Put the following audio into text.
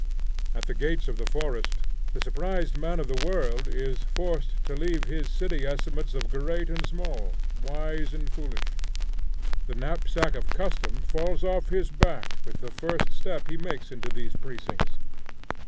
At the gates of the forest, the surprised man of the world is forced to leave his city estimates of great and small, wise and foolish. The knapsack of custom falls off his back with the first step he makes into these precincts.